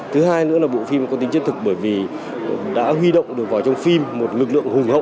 thứ hai nữa là bộ phim có tính thiết thực bởi vì đã huy động được vào trong phim một lực lượng hùng hậu